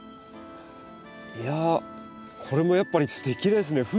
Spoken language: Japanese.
いやこれもやっぱりすてきですね。